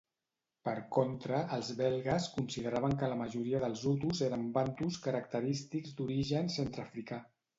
Per contra, els belgues consideraven que la majoria dels hutus eren bantus característics d'origen centreafricà.